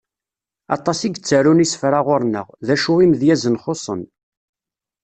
Aṭas i yettarun isefra ɣur-neɣ, d acu imedyazen xuṣṣen.